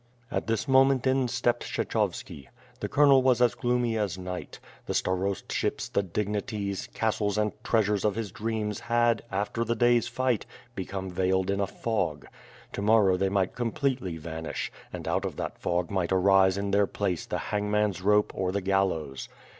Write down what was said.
'' At this moment in stepped Kshechovski. The colonel was as gloomy as night. The starostships, the dignities, castles and treasures of his dreams had, after the day's fight, become veiled in a fog. To morrow they might completely vanish, and out of that fog might arise in their place the hangman's rope or the gallows.